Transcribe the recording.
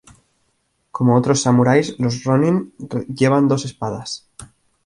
Como otros samuráis, los "rōnin" llevaban dos espadas.